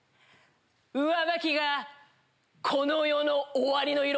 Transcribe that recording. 上履きがこの世の終わりの色をしているよ。